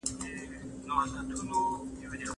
ایا شاګرد د لوړ ږغ سره پاڼه ړنګه کړه؟